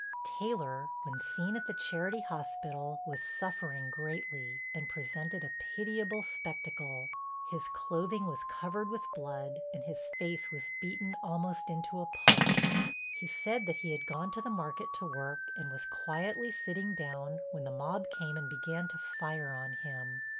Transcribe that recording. Taylor, when seen at the charity hospital, was suffering greatly, and presented a pitiable spectacle. His clothing was covered with blood, and his face was beaten almost into a pulp. He said that he had gone to the market to work and was quietly sitting down when the mob came and began to fire on him.